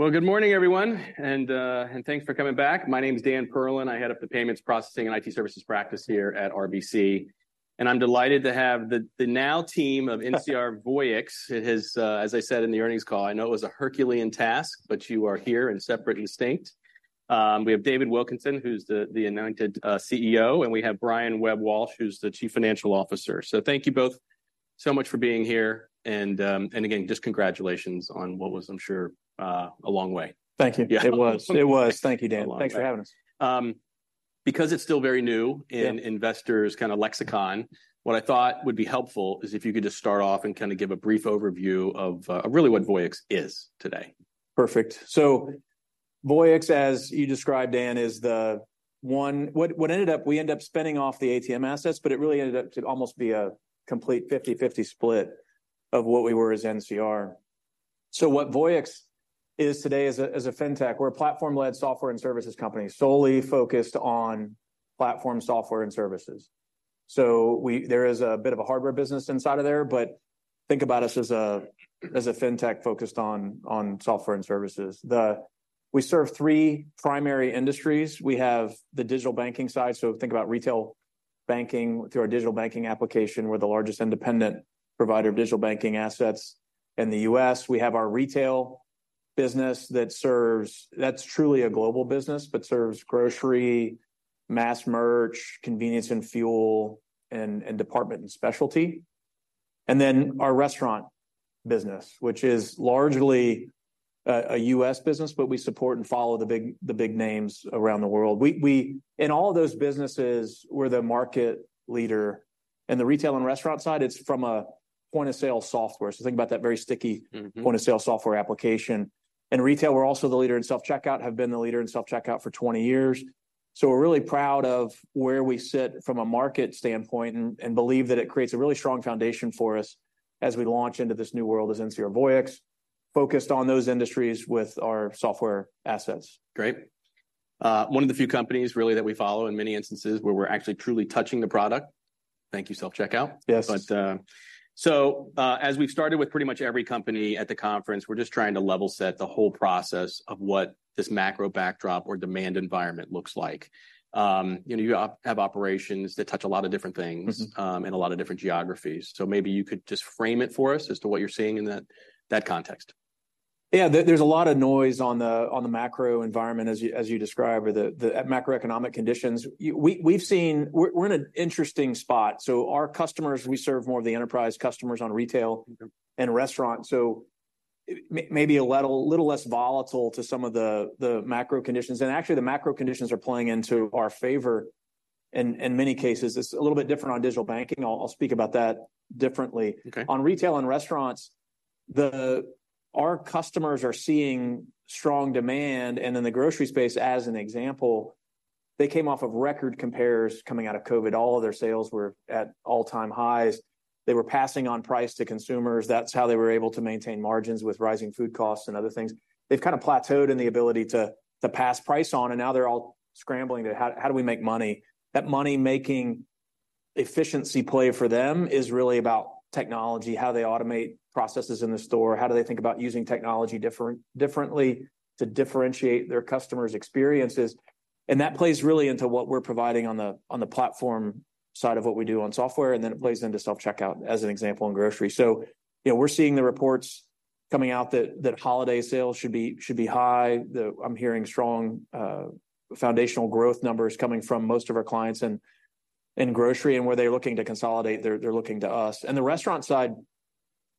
Well, good morning, everyone, and thanks for coming back. My name's Dan Perlin. I head up the Payments, Processing, and IT Services practice here at RBC, and I'm delighted to have the now team of NCR Voyix. It has, as I said in the earnings call, I know it was a Herculean task, but you are here in separate and distinct. We have David Wilkinson, who's the anointed CEO, and we have Brian Webb-Walsh, who's the Chief Financial Officer. So thank you both so much for being here, and again, just congratulations on what was, I'm sure, a long way. Thank you. Yeah. It was. It was. Thank you, Dan. A long way. Thanks for having us. because it's still very new- Yeah... in investors' kind of lexicon, what I thought would be helpful is if you could just start off and kind of give a brief overview of really what Voyix is today. Perfect. So Voyix, as you described, Dan, is the one... What, what ended up, we ended up spinning off the ATM assets, but it really ended up to almost be a complete 50/50 split of what we were as NCR. So what Voyix is today is a, is a fintech. We're a platform-led software and services company, solely focused on platform software and services. So we- there is a bit of a hardware business inside of there, but think about us as a, as a fintech focused on, on software and services. The... We serve three primary industries. We have the digital banking side, so think about retail banking through our digital banking application. We're the largest independent provider of digital banking assets in the U.S. We have our retail business that serves... That's truly a global business, but serves grocery, mass merch, convenience and fuel, and department and specialty. And then our restaurant business, which is largely a U.S. business, but we support and follow the big names around the world. In all of those businesses, we're the market leader. In the retail and restaurant side, it's from a point-of-sale software, so think about that very sticky- Mm-hmm... point-of-sale software application. In retail, we're also the leader in self-checkout, have been the leader in self-checkout for 20 years. So we're really proud of where we sit from a market standpoint and believe that it creates a really strong foundation for us as we launch into this new world as NCR Voyix, focused on those industries with our software assets. Great. One of the few companies really that we follow in many instances where we're actually truly touching the product. Thank you, self-checkout. Yes. As we've started with pretty much every company at the conference, we're just trying to level set the whole process of what this macro backdrop or demand environment looks like. You know, you have operations that touch a lot of different things- Mm-hmm... and a lot of different geographies. So maybe you could just frame it for us as to what you're seeing in that, that context. Yeah, there's a lot of noise on the macro environment, as you describe, or the macroeconomic conditions. We've seen... We're in an interesting spot. So our customers, we serve more of the enterprise customers on retail- Mm-hmm... and restaurant, so maybe a little less volatile to some of the macro conditions. Actually, the macro conditions are playing into our favor in many cases. It's a little bit different on digital banking. I'll speak about that differently. Okay. On retail and restaurants, our customers are seeing strong demand, and in the grocery space, as an example, they came off of record compares coming out of COVID. All of their sales were at all-time highs. They were passing on price to consumers. That's how they were able to maintain margins with rising food costs and other things. They've kind of plateaued in the ability to pass price on, and now they're all scrambling to: "How, how do we make money?" That money-making efficiency play for them is really about technology, how they automate processes in the store, how do they think about using technology differently to differentiate their customers' experiences. And that plays really into what we're providing on the platform side of what we do on software, and then it plays into self-checkout, as an example, in grocery. So, you know, we're seeing the reports coming out that holiday sales should be high. I'm hearing strong foundational growth numbers coming from most of our clients in grocery, and where they're looking to consolidate, they're looking to us. And the restaurant side,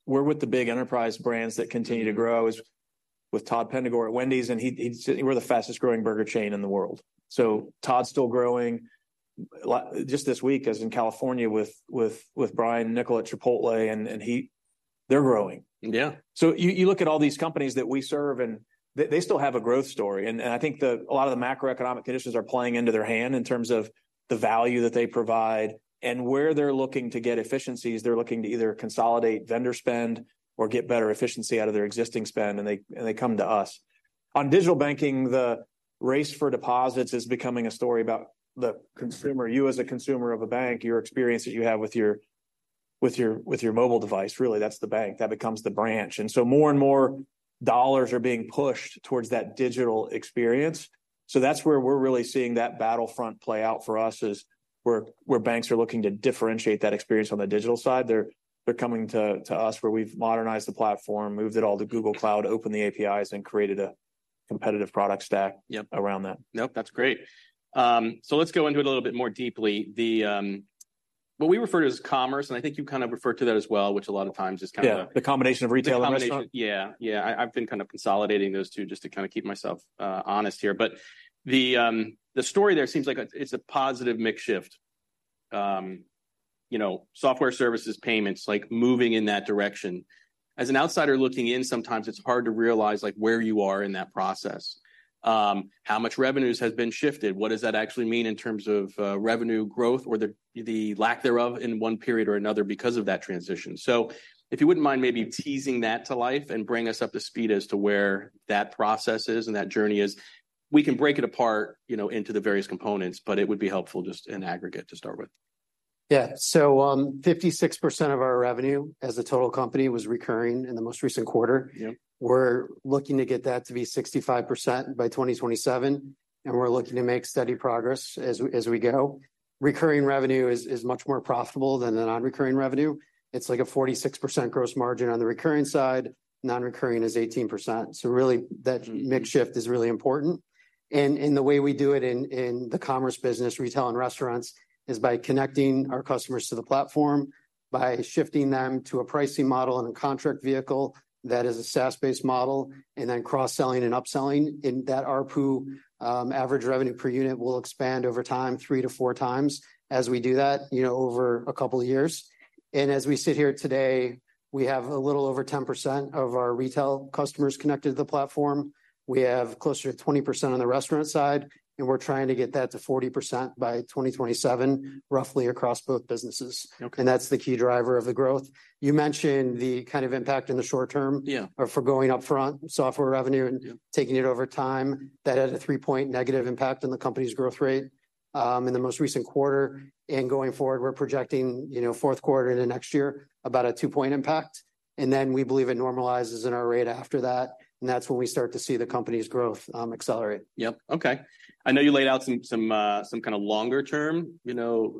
we're with the big enterprise brands that continue to grow. As with Todd Penegor at Wendy's, and he, we're the fastest-growing burger chain in the world. So Todd's still growing. Like, just this week, I was in California with Brian Niccol at Chipotle, and he... They're growing. Yeah. You look at all these companies that we serve, and they still have a growth story. I think a lot of the macroeconomic conditions are playing into their hand in terms of the value that they provide and where they're looking to get efficiencies. They're looking to either consolidate vendor spend or get better efficiency out of their existing spend, and they come to us. On digital banking, the race for deposits is becoming a story about the consumer. You, as a consumer of a bank, your experience that you have with your mobile device, really, that's the bank. That becomes the branch. So more and more dollars are being pushed towards that digital experience. So that's where we're really seeing that battlefront play out for us, is where banks are looking to differentiate that experience on the digital side. They're coming to us, where we've modernized the platform, moved it all to Google Cloud, opened the APIs, and created a competitive product stack- Yep... around that. Nope, that's great. So let's go into it a little bit more deeply. The what we refer to as commerce, and I think you kind of referred to that as well, which a lot of times is kind of- Yeah, the combination of retail and restaurant. The combination. Yeah, yeah. I, I've been kind of consolidating those two, just to kind of keep myself, honest here. But the story there seems like it's a positive mix shift. You know, software services, payments, like, moving in that direction. As an outsider looking in, sometimes it's hard to realize, like, where you are in that process. How much revenues has been shifted? What does that actually mean in terms of, revenue growth or the lack thereof in one period or another because of that transition? So if you wouldn't mind maybe teasing that to life and bring us up to speed as to where that process is and that journey is. We can break it apart, you know, into the various components, but it would be helpful just in aggregate to start with. ... Yeah, so, 56% of our revenue as a total company was recurring in the most recent quarter. Yep. We're looking to get that to be 65% by 2027, and we're looking to make steady progress as we go. Recurring revenue is much more profitable than the non-recurring revenue. It's like a 46% gross margin on the recurring side, non-recurring is 18%, so really, that mix shift is really important. And the way we do it in the commerce business, retail, and restaurants, is by connecting our customers to the platform, by shifting them to a pricing model and a contract vehicle that is a SaaS-based model, and then cross-selling and upselling. In that ARPU, average revenue per unit will expand over time 3x-4x as we do that, you know, over a couple of years. And as we sit here today, we have a little over 10% of our retail customers connected to the platform. We have closer to 20% on the restaurant side, and we're trying to get that to 40% by 2027, roughly across both businesses. Okay. That's the key driver of the growth. You mentioned the kind of impact in the short term- Yeah... for going upfront, software revenue- Yeah... and taking it over time. That had a three point negative impact on the company's growth rate in the most recent quarter. Going forward, we're projecting, you know, fourth quarter into next year, about a two point impact, and then we believe it normalizes in our rate after that, and that's when we start to see the company's growth accelerate. Yep. Okay. I know you laid out some kind of longer term, you know,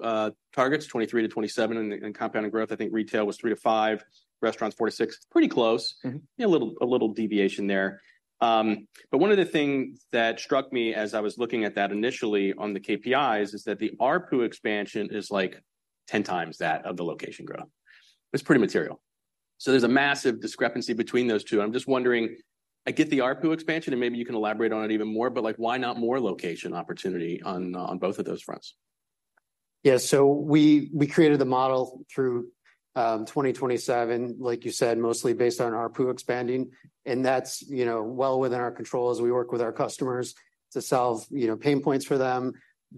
targets, 2023 to 2027, in compounded growth. I think retail was 3-5, restaurants, 4-6. Pretty close. Mm-hmm. Yeah, a little, a little deviation there. But one of the things that struck me as I was looking at that initially on the KPIs, is that the ARPU expansion is, like, 10 times that of the location growth. It's pretty material. So there's a massive discrepancy between those two, and I'm just wondering, I get the ARPU expansion, and maybe you can elaborate on it even more, but, like, why not more location opportunity on, on both of those fronts? Yeah, so we created the model through 2027, like you said, mostly based on ARPU expanding, and that's, you know, well within our control as we work with our customers to solve, you know, pain points for them,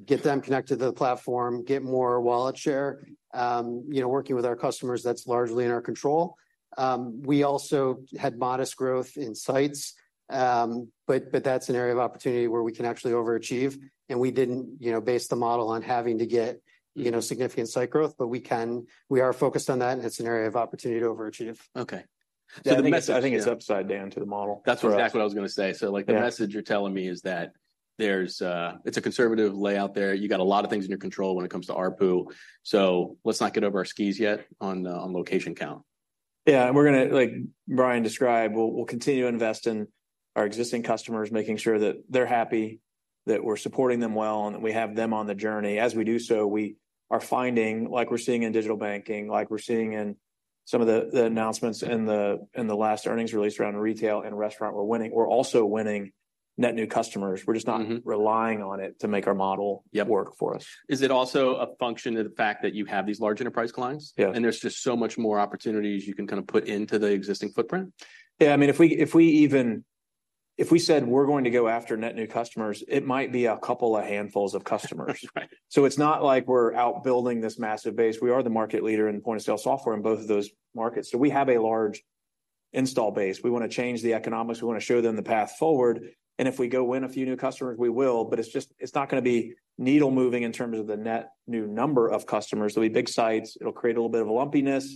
get them connected to the platform, get more wallet share. You know, working with our customers, that's largely in our control. We also had modest growth in sites. But that's an area of opportunity where we can actually overachieve, and we didn't, you know, base the model on having to get, you know, significant site growth, but we can. We are focused on that, and it's an area of opportunity to overachieve. Okay. Yeah, the message- I think it's upside down to the model. That's exactly what I was gonna say. Yeah. So, like, the message you're telling me is that there's, it's a conservative layout there. You got a lot of things in your control when it comes to ARPU, so let's not get over our skis yet on, on location count. Yeah, and we're gonna, like Brian described, we'll, we'll continue to invest in our existing customers, making sure that they're happy, that we're supporting them well, and that we have them on the journey. As we do so, we are finding, like we're seeing in digital banking, like we're seeing in some of the, the announcements in the, in the last earnings release around retail and restaurant, we're winning. We're also winning net new customers. Mm-hmm. We're just not relying on it to make our model- Yep... work for us. Is it also a function of the fact that you have these large enterprise clients? Yeah. There's just so much more opportunities you can kinda put into the existing footprint? Yeah, I mean, if we even... If we said we're going to go after net new customers, it might be a couple of handfuls of customers. Right. So it's not like we're out building this massive base. We are the market leader in point-of-sale software in both of those markets, so we have a large install base. We wanna change the economics. We wanna show them the path forward, and if we go win a few new customers, we will, but it's not gonna be needle-moving in terms of the net new number of customers. It'll be big sites. It'll create a little bit of a lumpiness,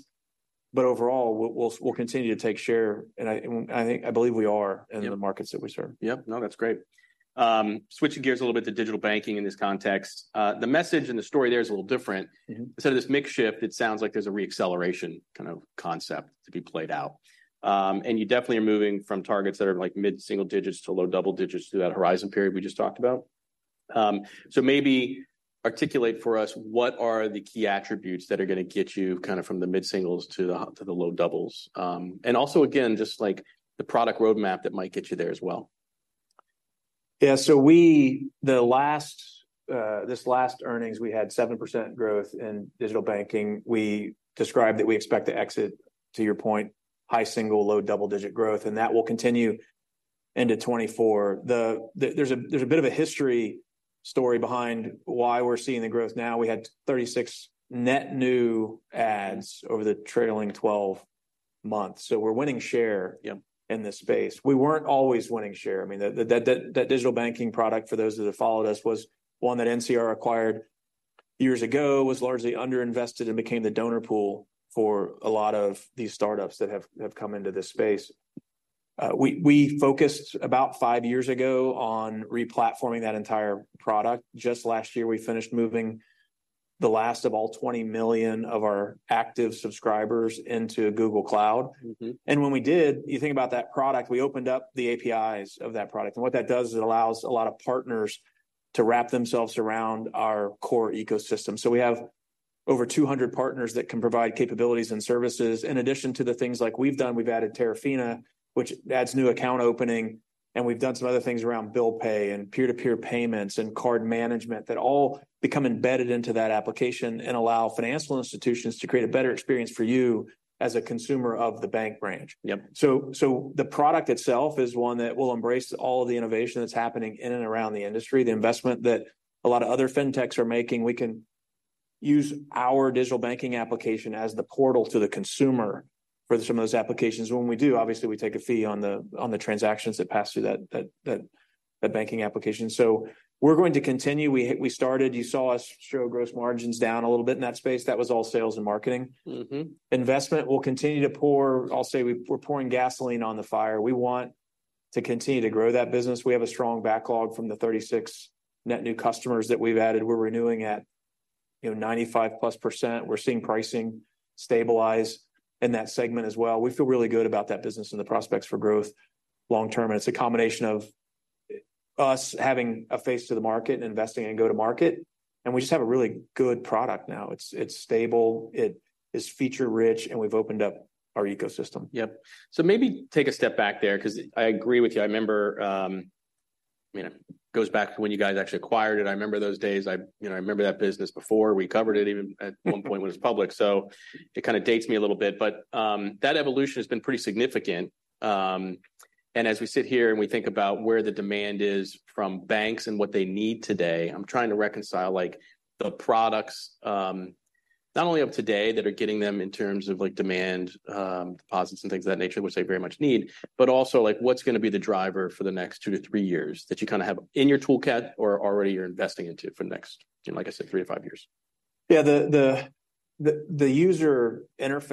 but overall, we'll, we'll, we'll continue to take share, and I, and I, I believe we are- Yep... in the markets that we serve. Yep. No, that's great. Switching gears a little bit to digital banking in this context, the message and the story there is a little different. Mm-hmm. Instead of this mix shift, it sounds like there's a re-acceleration kind of concept to be played out. And you definitely are moving from targets that are, like, mid-single digits to low double digits through that horizon period we just talked about. So maybe articulate for us what are the key attributes that are gonna get you kind of from the mid singles to the low doubles? And also again, just, like, the product roadmap that might get you there as well. Yeah, so the last, this last earnings, we had 7% growth in digital banking. We described that we expect to exit, to your point, high single-, low double-digit growth, and that will continue into 2024. There's a bit of a history story behind why we're seeing the growth now. We had 36 net new adds over the trailing 12 months, so we're winning share- Yep... in this space. We weren't always winning share. I mean, the digital banking product, for those that have followed us, was one that NCR acquired years ago, was largely underinvested, and became the donor pool for a lot of these startups that have come into this space. We focused about five years ago on replatforming that entire product. Just last year, we finished moving the last of all 20 million of our active subscribers into Google Cloud. Mm-hmm. And when we did, you think about that product, we opened up the APIs of that product, and what that does is it allows a lot of partners to wrap themselves around our core ecosystem. So we have over 200 partners that can provide capabilities and services. In addition to the things like we've done, we've added Terafina, which adds new account opening, and we've done some other things around bill pay and peer-to-peer payments and card management that all become embedded into that application and allow financial institutions to create a better experience for you as a consumer of the bank branch. Yep. So, the product itself is one that will embrace all of the innovation that's happening in and around the industry, the investment that a lot of other fintechs are making. We can use our digital banking application as the portal to the consumer—for some of those applications. When we do, obviously, we take a fee on the transactions that pass through that banking application. So we're going to continue. We started—you saw us show gross margins down a little bit in that space. That was all sales and marketing. Mm-hmm. Investment, we'll continue to pour... I'll say we're pouring gasoline on the fire. We want to continue to grow that business. We have a strong backlog from the 36 net new customers that we've added. We're renewing at, you know, 95%+. We're seeing pricing stabilize in that segment as well. We feel really good about that business and the prospects for growth long term, and it's a combination of us having a face to the market and investing in go-to-market, and we just have a really good product now. It's stable, it is feature-rich, and we've opened up our ecosystem. Yep. So maybe take a step back there, 'cause I agree with you. I remember, you know, it goes back to when you guys actually acquired it. I remember those days. I, you know, I remember that business before we covered it, even at one point when it was public, so it kind of dates me a little bit, but, that evolution has been pretty significant. And as we sit here, and we think about where the demand is from banks and what they need today, I'm trying to reconcile, like, the products, not only of today that are getting them in terms of, like, demand, deposits and things of that nature, which they very much need, but also, like, what's going to be the driver for the next two to three years that you kind of have in your toolkit or already you're investing into for the next, you know, like I said, three to five years? Yeah, I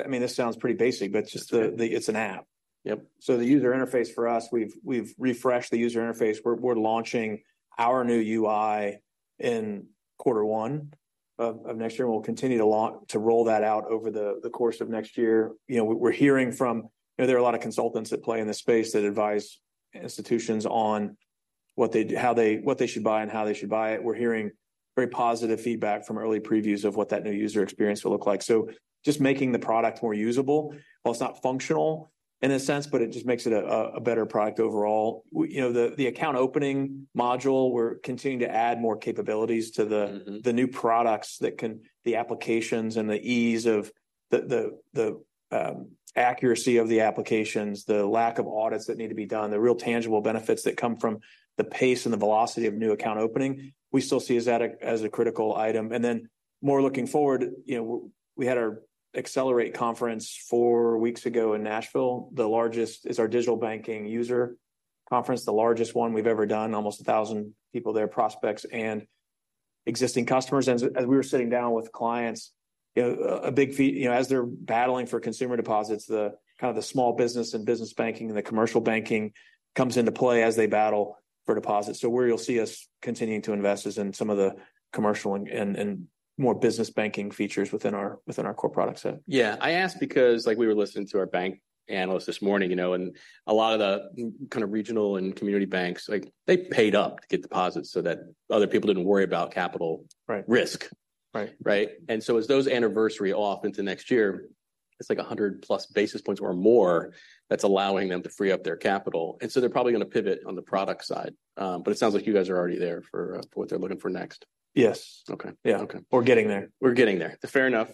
mean, this sounds pretty basic, but just the- Sure... the, it's an app. Yep. So the user interface for us, we've refreshed the user interface. We're launching our new UI in quarter one of next year, and we'll continue to roll that out over the course of next year. You know, we're hearing from... You know, there are a lot of consultants that play in this space that advise institutions on what they should buy and how they should buy it. We're hearing very positive feedback from early previews of what that new user experience will look like. So just making the product more usable, while it's not functional in a sense, but it just makes it a better product overall. You know, the account opening module, we're continuing to add more capabilities to the- Mm-hmm... the new products that can... the applications and the ease of the accuracy of the applications, the lack of audits that need to be done, the real tangible benefits that come from the pace and the velocity of new account opening, we still see as that, as a critical item. And then more looking forward, you know, we had our Accelerate conference four weeks ago in Nashville, the largest... It's our digital banking user conference, the largest one we've ever done. Almost 1,000 people there, prospects and existing customers. As we were sitting down with clients, you know, as they're battling for consumer deposits, the kind of the small business and business banking and the commercial banking comes into play as they battle for deposits. So where you'll see us continuing to invest is in some of the commercial and more business banking features within our core product set. Yeah. I asked because, like, we were listening to our bank analyst this morning, you know, and a lot of the kind of regional and community banks, like, they paid up to get deposits so that other people didn't worry about capital- Right... risk. Right. Right? And so as those anniversary off into next year, it's like 100+ basis points or more that's allowing them to free up their capital, and so they're probably going to pivot on the product side. But it sounds like you guys are already there for what they're looking for next. Yes. Okay. Yeah. Okay. We're getting there. We're getting there. Fair enough.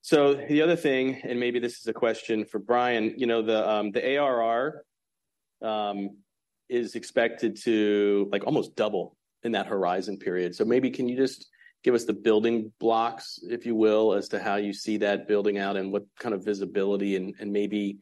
So the other thing, and maybe this is a question for Brian, you know, the ARR is expected to, like, almost double in that horizon period. So maybe, can you just give us the building blocks, if you will, as to how you see that building out and what kind of visibility and, and maybe...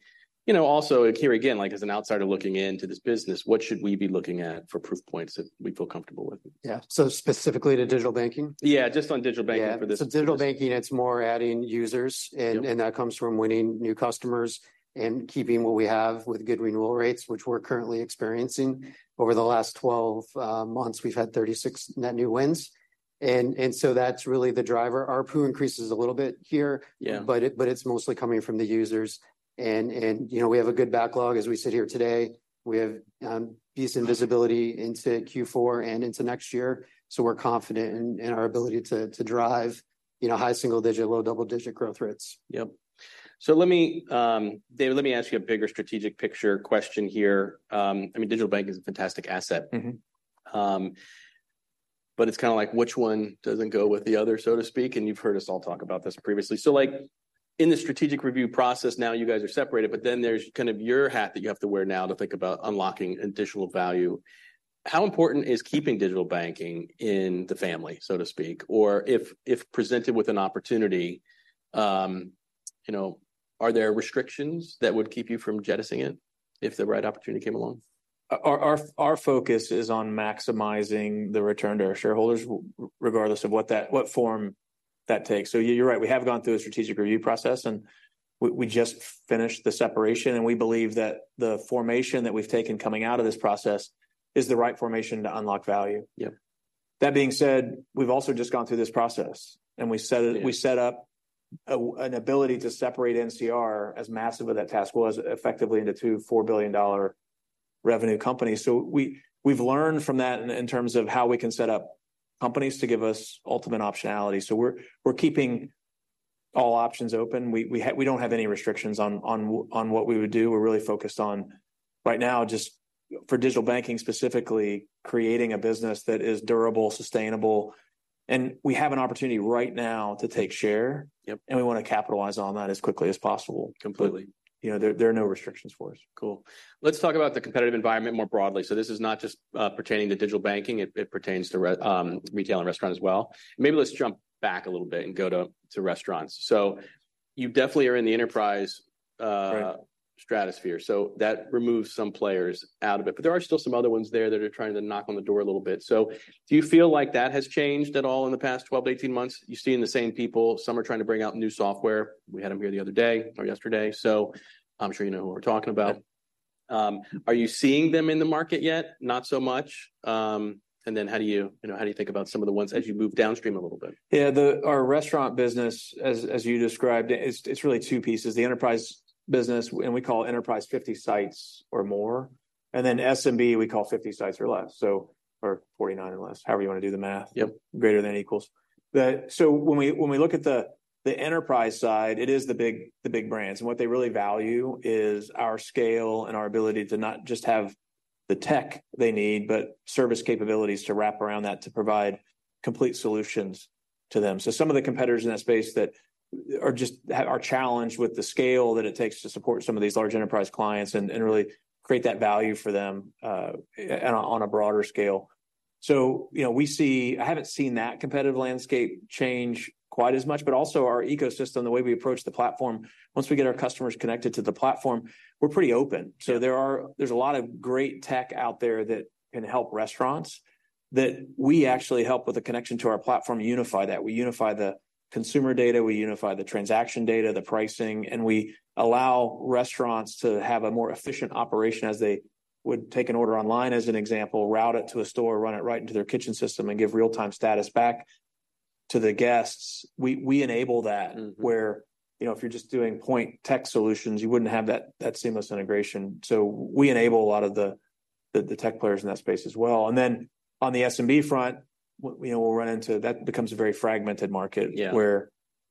You know, also, here again, like, as an outsider looking into this business, what should we be looking at for proof points that we'd feel comfortable with? Yeah. So specifically to digital banking? Yeah, just on digital banking- Yeah... for this purpose. So, digital banking, it's more adding users. Yep... and that comes from winning new customers and keeping what we have with good renewal rates, which we're currently experiencing. Over the last 12 months, we've had 36 net new wins, and so that's really the driver. ARPU increases a little bit here- Yeah... but it's mostly coming from the users. And you know, we have a good backlog as we sit here today. We have decent visibility into Q4 and into next year, so we're confident in our ability to drive you know, high single digit, low double digit growth rates. Yep. So let me, David, let me ask you a bigger strategic picture question here. I mean, digital bank is a fantastic asset. Mm-hmm. But it's kind of like, which one doesn't go with the other, so to speak? And you've heard us all talk about this previously. So, like, in the strategic review process, now you guys are separated, but then there's kind of your hat that you have to wear now to think about unlocking additional value. How important is keeping digital banking in the family, so to speak? Or if presented with an opportunity, you know, are there restrictions that would keep you from jettisoning it if the right opportunity came along? Our focus is on maximizing the return to our shareholders, regardless of what form that takes. So you're right. We have gone through a strategic review process, and we just finished the separation, and we believe that the formation that we've taken coming out of this process is the right formation to unlock value. Yep. That being said, we've also just gone through this process, and we set it- Yeah... we set up an ability to separate NCR, as massive of that task was, effectively into two $4 billion revenue companies. So we've learned from that, in terms of how we can set up companies to give us ultimate optionality. So we're keeping all options open. We don't have any restrictions on what we would do. We're really focused on, right now, just for digital banking specifically, creating a business that is durable, sustainable, and we have an opportunity right now to take share- Yep... and we want to capitalize on that as quickly as possible. Completely. You know, there are no restrictions for us. Cool. Let's talk about the competitive environment more broadly. So this is not just, pertaining to digital banking. It, it pertains to retail and restaurant as well. Maybe let's jump back a little bit and go to, to restaurants. So you definitely are in the enterprise, Right ... stratosphere. So that removes some players out of it, but there are still some other ones there that are trying to knock on the door a little bit. So do you feel like that has changed at all in the past 12-18 months? You're seeing the same people, some are trying to bring out new software. We had them here the other day or yesterday, so I'm sure you know who we're talking about. Are you seeing them in the market yet? Not so much. And then how do you, you know, how do you think about some of the ones as you move downstream a little bit? Yeah, our restaurant business as you described, it's really two pieces. The enterprise business, and we call enterprise 50 sites or more, and then SMB, we call 50 sites or less, or 49 or less, however you wanna do the math. Yep. Greater than equals. So when we look at the enterprise side, it is the big brands. And what they really value is our scale and our ability to not just have the tech they need, but service capabilities to wrap around that to provide complete solutions to them. So some of the competitors in that space that are just are challenged with the scale that it takes to support some of these large enterprise clients and really create that value for them on a broader scale. So, you know, we see I haven't seen that competitive landscape change quite as much, but also our ecosystem, the way we approach the platform, once we get our customers connected to the platform, we're pretty open. Yeah. So there's a lot of great tech out there that can help restaurants, that we actually help with the connection to our platform, unify that. We unify the consumer data, we unify the transaction data, the pricing, and we allow restaurants to have a more efficient operation as they would take an order online, as an example, route it to a store, run it right into their kitchen system, and give real-time status back to the guests. We, we enable that. Mm-hmm. Where, you know, if you're just doing point tech solutions, you wouldn't have that seamless integration. So we enable a lot of the tech players in that space as well. And then, on the SMB front, you know, we'll run into... That becomes a very fragmented market- Yeah... where,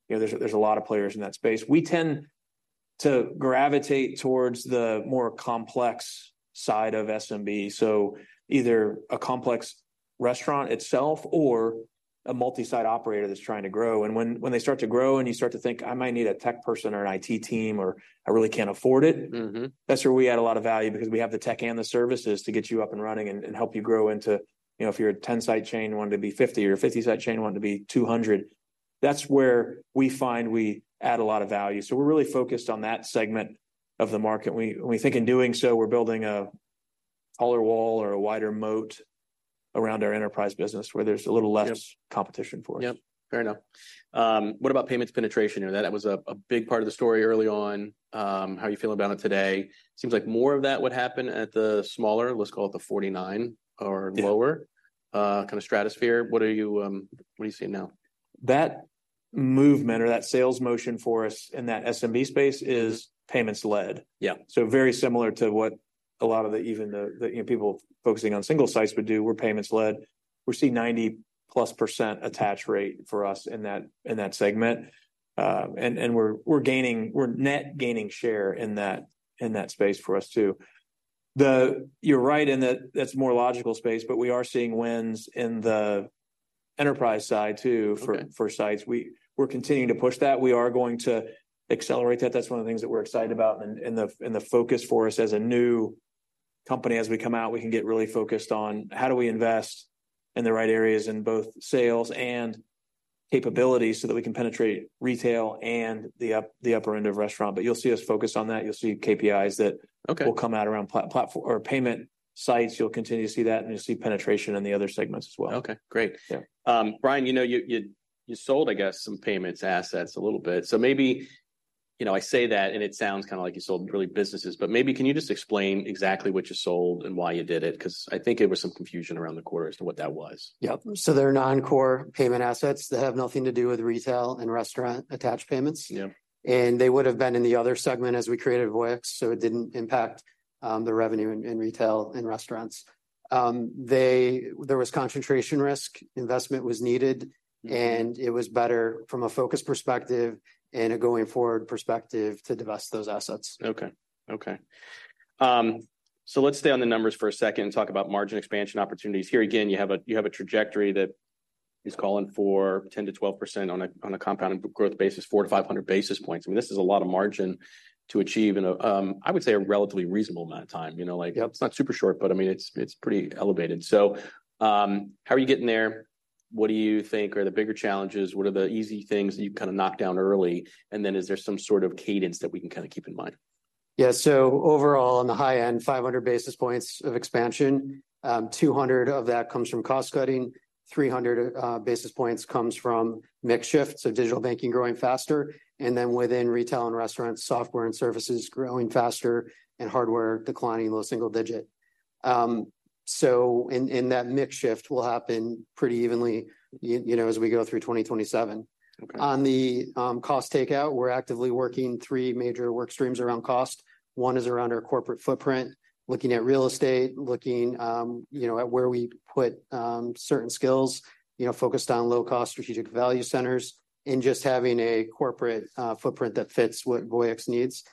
you know, there's a lot of players in that space. We tend to gravitate towards the more complex side of SMB, so either a complex restaurant itself or a multi-site operator that's trying to grow. When they start to grow and you start to think, "I might need a tech person or an IT team, or I really can't afford it- Mm-hmm.... that's where we add a lot of value because we have the tech and the services to get you up and running and help you grow into, you know, if you're a 10-site chain wanting to be 50 or a 50-site chain wanting to be 200. That's where we find we add a lot of value. So we're really focused on that segment of the market, and we think in doing so, we're building a taller wall or a wider moat around our enterprise business, where there's a little less- Yep... competition for us. Yep. Fair enough. What about payments penetration? You know, that was a big part of the story early on. How are you feeling about it today? Seems like more of that would happen at the smaller, let's call it the 49 or- Yeah... lower, kind of, stratosphere. What are you, what are you seeing now? That movement or that sales motion for us in that SMB space is payments-led. Yeah. So very similar to what a lot of the even the you know people focusing on single sites would do, we're payments-led. We're seeing 90%+ attach rate for us in that segment. And we're gaining—we're net gaining share in that space for us, too. You're right in that that's more logical space, but we are seeing wins in the enterprise side, too. Okay ...for sites. We're continuing to push that. We are going to accelerate that. That's one of the things that we're excited about. And the focus for us as a new company, as we come out, we can get really focused on how do we invest in the right areas in both sales and capability so that we can penetrate retail and the upper end of restaurant. But you'll see us focus on that. You'll see KPIs that- Okay... will come out around platform or payment sites. You'll continue to see that, and you'll see penetration in the other segments as well. Okay, great. Yeah. Brian, you know, you sold, I guess, some payments assets a little bit. So maybe... You know, I say that, and it sounds kind of like you sold really businesses, but maybe can you just explain exactly what you sold and why you did it? 'Cause I think there was some confusion around the quarter as to what that was. Yep. So they're non-core payment assets that have nothing to do with retail and restaurant-attached payments. Yep. They would've been in the other segment as we created Voyix, so it didn't impact the revenue in retail and restaurants. They... There was concentration risk, investment was needed- Mm-hmm.... and it was better from a focus perspective and a going-forward perspective to divest those assets. Okay. Okay. So let's stay on the numbers for a second and talk about margin expansion opportunities. Here again, you have a, you have a trajectory that is calling for 10%-12% on a, on a compounded growth basis, 400-500 basis points. I mean, this is a lot of margin to achieve in a, I would say, a relatively reasonable amount of time. You know, Yep... it's not super short, but I mean, it's, it's pretty elevated. So, how are you getting there? What do you think are the bigger challenges? What are the easy things that you kind of knocked down early? And then, is there some sort of cadence that we can kind of keep in mind? Yeah, so overall, on the high end, 500 basis points of expansion, 200 of that comes from cost cutting. 300 basis points comes from mix shifts, so digital banking growing faster, and then within retail and restaurants, software and services growing faster and hardware declining low single digit. And that mix shift will happen pretty evenly, you know, as we go through 2027. Okay. On the cost takeout, we're actively working three major work streams around cost. One is around our corporate footprint, looking at real estate, looking, you know, at where we put certain skills, you know, focused on low-cost strategic value centers, and just having a corporate footprint that fits what Voyix needs.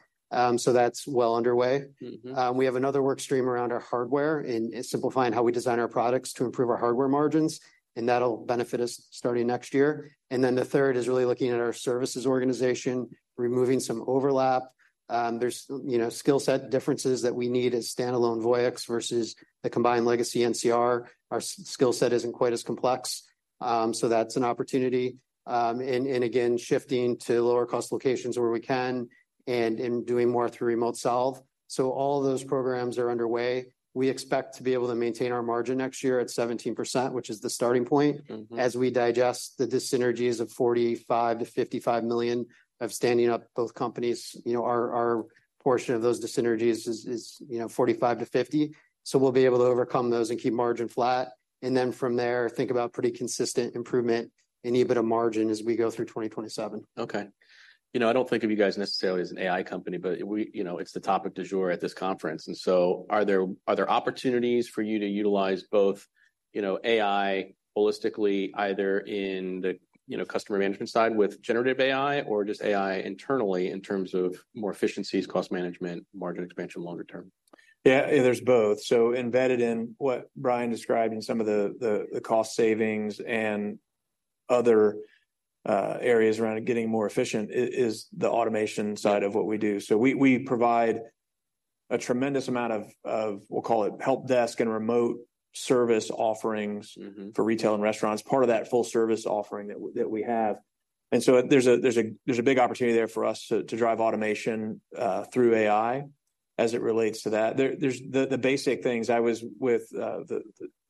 So that's well underway. Mm-hmm. We have another work stream around our hardware and simplifying how we design our products to improve our hardware margins, and that'll benefit us starting next year. And then the third is really looking at our services organization, removing some overlap. There's, you know, skill set differences that we need as standalone Voyix versus the combined legacy NCR. Our skill set isn't quite as complex, so that's an opportunity. And again, shifting to lower-cost locations where we can and doing more through remote solve. So all of those programs are underway. We expect to be able to maintain our margin next year at 17%, which is the starting point- Mm-hmm... as we digest the dyssynergies of $45-$55 million of standing up both companies. You know, our portion of those dyssynergies is, you know, $45-$50, so we'll be able to overcome those and keep margin flat. Then from there, think about pretty consistent improvement-... any bit of margin as we go through 2027. Okay. You know, I don't think of you guys necessarily as an AI company, but we, you know, it's the topic du jour at this conference. And so are there, are there opportunities for you to utilize both, you know, AI holistically, either in the, you know, customer management side with generative AI, or just AI internally in terms of more efficiencies, cost management, margin expansion longer term? Yeah, there's both. So embedded in what Brian described in some of the cost savings and other areas around it getting more efficient is the automation side of what we do. So we provide a tremendous amount of we'll call it help desk and remote service offerings- Mm-hmm ...for retail and restaurants, part of that full service offering that we have. And so there's a big opportunity there for us to drive automation through AI as it relates to that. There are the basic things. I was with the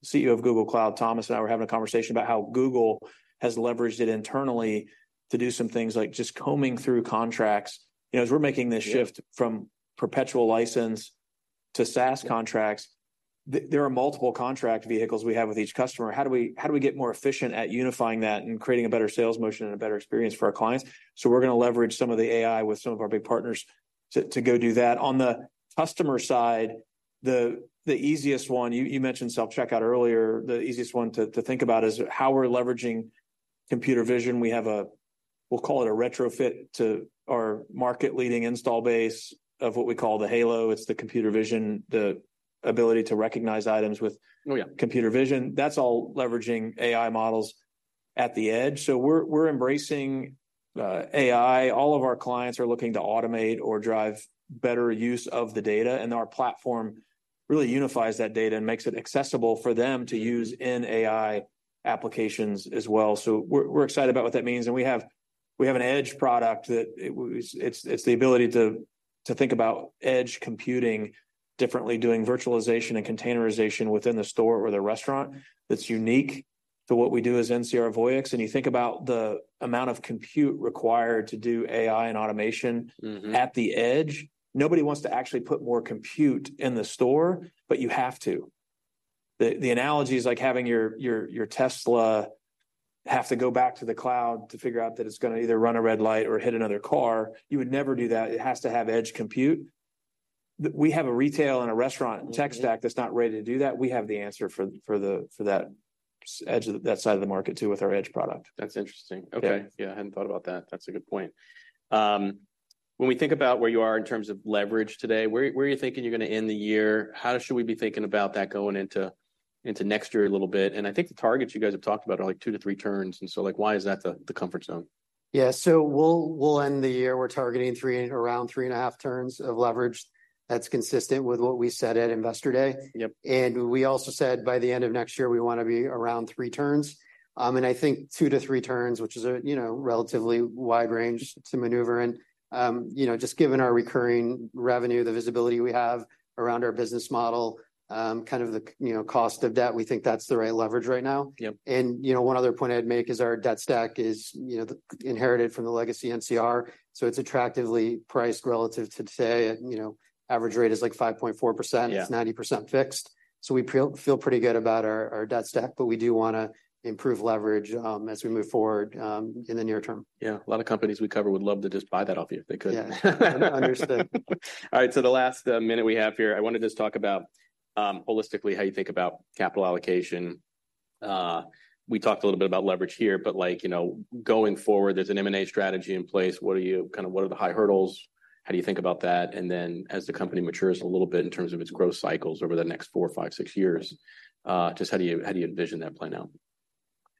CEO of Google Cloud, Thomas, and I were having a conversation about how Google has leveraged it internally to do some things like just combing through contracts. You know, as we're making this shift- Yeah... from perpetual license to SaaS contracts, there are multiple contract vehicles we have with each customer. How do we, how do we get more efficient at unifying that and creating a better sales motion and a better experience for our clients? So we're gonna leverage some of the AI with some of our big partners to, to go do that. On the customer side, the, the easiest one, you, you mentioned self-checkout earlier. The easiest one to, to think about is how we're leveraging computer vision. We have a, we'll call it a retrofit to our market-leading install base of what we call the Halo. It's the computer vision, the ability to recognize items with- Oh, yeah... computer vision. That's all leveraging AI models at the edge. So we're embracing AI. All of our clients are looking to automate or drive better use of the data, and our platform really unifies that data and makes it accessible for them to use in AI applications as well. So we're excited about what that means, and we have an edge product that it's the ability to think about edge computing differently, doing virtualization and containerization within the store or the restaurant. That's unique to what we do as NCR Voyix. And you think about the amount of compute required to do AI and automation- Mm-hmm... at the edge. Nobody wants to actually put more compute in the store, but you have to. The analogy is like having your Tesla have to go back to the cloud to figure out that it's gonna either run a red light or hit another car. You would never do that. It has to have edge compute. We have a retail and a restaurant tech stack- Mm... that's not ready to do that. We have the answer for that edge, that side of the market, too, with our edge product. That's interesting. Okay. Yeah. Yeah, I hadn't thought about that. That's a good point. When we think about where you are in terms of leverage today, where are you thinking you're gonna end the year? How should we be thinking about that going into next year a little bit? And I think the targets you guys have talked about are, like, two to three turns, and so, like, why is that the comfort zone? Yeah, so we'll end the year, we're targeting 3, around 3.5 turns of leverage. That's consistent with what we said at Investor Day. Yep. We also said by the end of next year, we wanna be around 3 turns. I think 2-3 turns, which is a, you know, relatively wide range to maneuver in. You know, just given our recurring revenue, the visibility we have around our business model, kind of the, you know, cost of debt, we think that's the right leverage right now. Yep. You know, one other point I'd make is our debt stack is, you know, inherited from the legacy NCR, so it's attractively priced relative to today. You know, average rate is, like, 5.4%. Yeah. It's 90% fixed, so we feel pretty good about our, our debt stack, but we do wanna improve leverage as we move forward in the near term. Yeah, a lot of companies we cover would love to just buy that off you if they could. Yeah. Understood. All right, so the last minute we have here, I want to just talk about holistically, how you think about capital allocation. We talked a little bit about leverage here, but, like, you know, going forward, there's an M&A strategy in place. What are you... Kind of, what are the high hurdles? How do you think about that? And then, as the company matures a little bit in terms of its growth cycles over the next four, five, six years, just how do you, how do you envision that playing out?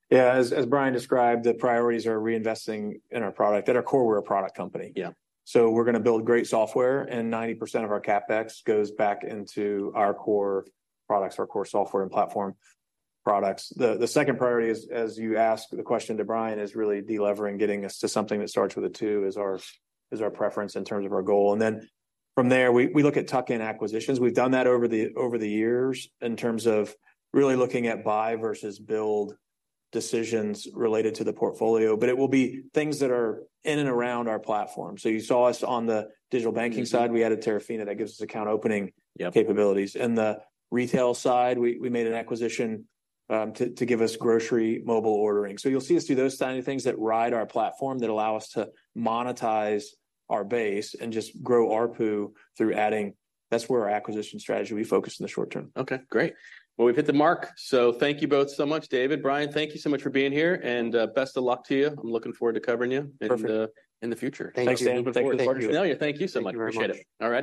Yeah, as Brian described, the priorities are reinvesting in our product. At our core, we're a product company. Yeah. So we're gonna build great software, and 90% of our CapEx goes back into our core products, our core software and platform products. The, the second priority is, as you asked the question to Brian, is really de-levering, getting us to something that starts with a two, is our, is our preference in terms of our goal. And then from there, we, we look at tuck-in acquisitions. We've done that over the, over the years in terms of really looking at buy versus build decisions related to the portfolio, but it will be things that are in and around our platform. So you saw us on the digital banking side. Mm-hmm. We added Terafina. That gives us account opening- Yeah... capabilities. In the retail side, we made an acquisition to give us grocery mobile ordering. So you'll see us do those kind of things that ride our platform, that allow us to monetize our base and just grow ARPU through adding... That's where our acquisition strategy will be focused in the short term. Okay, great. Well, we've hit the mark, so thank you both so much. David, Brian, thank you so much for being here, and best of luck to you. I'm looking forward to covering you- Perfect... in the future. Thank you. Thanks, Dan. Thank you. Look forward to knowing you. Thank you so much. Thank you very much. Appreciate it. All righty.